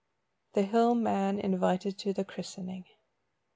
THE HILL MAN INVITED TO THE CHRISTENING.